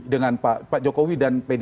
dengan pak jokowi dan pak prabowo